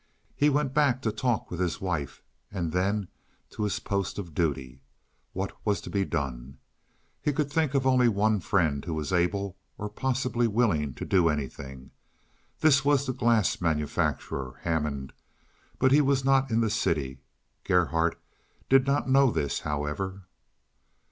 He went back to talk with his wife, and then to his post of duty. What was to be done? He could think of only one friend who was able, or possibly willing to do anything. This was the glass manufacturer, Hammond; but he was not in the city. Gerhardt did not know this, however.